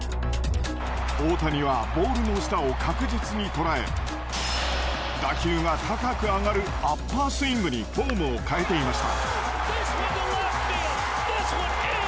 大谷はボールの下を確実にとらえ打球が高く上がるアッパースイングにフォームを変えていました。